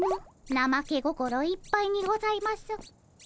なまけ心いっぱいにございます。